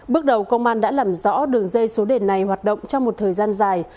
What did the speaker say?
bước đầu công an đã làm rõ đường dây số đề này hoạt động trong một thời gian dài